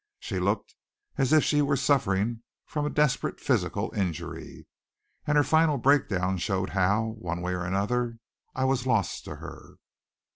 She looked as if she were suffering from a desperate physical injury. And her final breakdown showed how, one way or another, I was lost to her.